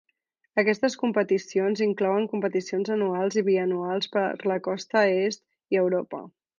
Aquestes competicions inclouen competicions anuals i bianuals per la costa est i Europa.